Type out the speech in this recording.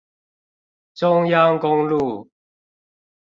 中央公路